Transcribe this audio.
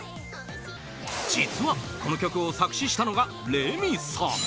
実は、この曲を作詞したのがレミさん！